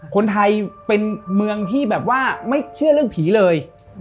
คนไทยเป็นเมืองที่แบบว่าไม่เชื่อเรื่องผีเลย